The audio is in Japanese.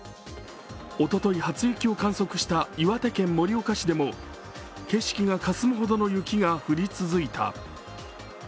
おととい初雪を観測した岩手県盛岡市でも景色がかすむほどの雪が降り続いた。